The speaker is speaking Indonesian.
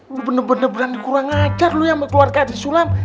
lo bener bener berani kurang ajar lo yang mau keluarga di sulam